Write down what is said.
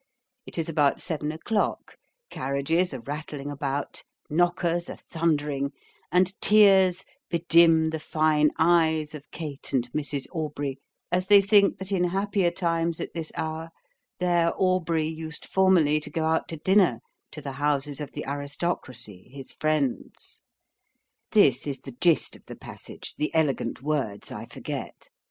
It is about seven o'clock, carriages are rattling about, knockers are thundering, and tears bedim the fine eyes of Kate and Mrs. Aubrey as they think that in happier times at this hour their Aubrey used formerly to go out to dinner to the houses of the aristocracy his friends. This is the gist of the passage the elegant words I forget.